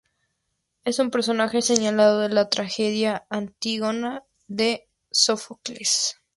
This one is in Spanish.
Es un personaje señalado de la tragedia "Antígona", de Sófocles.